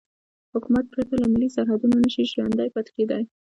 حکومت پرته له ملي سرحدونو نشي ژوندی پاتې کېدای.